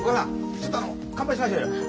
ちょっとあの乾杯しましょうよ。